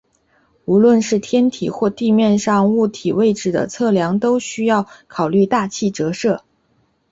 无论是天体或地面上物体位置的测量都需要考虑大气折射。